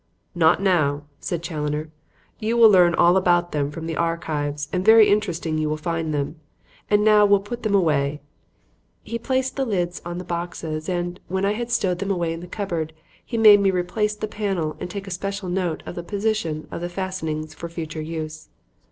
"Not now," said Challoner. "You will learn all about them from the 'Archives,' and very interesting you will find them. And now we'll put them away." He placed the lids on the boxes, and, when I had stowed them away in the cupboard, he made me replace the panel and take a special note of the position of the fastenings for future use.